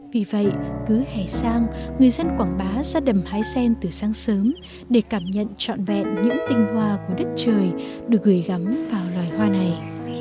vì vậy cứ hề sang người dân quảng bá ra đầm hái sen từ sáng sớm để cảm nhận trọn vẹn những tinh hoa của đất trời được gửi gắm vào loài hoa này